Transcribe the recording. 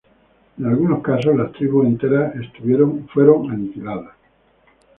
En algunos casos, las tribus enteras estuvieron aniquiladas.